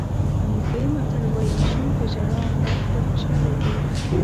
امریکایي متل وایي ژوند په ژړا او مرګ په خوشحالۍ دی.